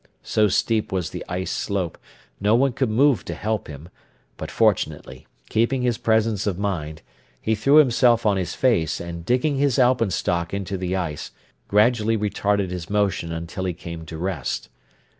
So steep was the ice slope no one could move to help him, but fortunately, keeping his presence of mind, he threw himself on his face and digging his alpenstock into the ice, gradually retarded his motion until he came to rest.